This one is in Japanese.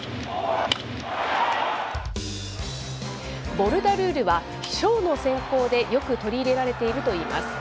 ボルダルールは、賞の選考でよく取り入れられているといいます。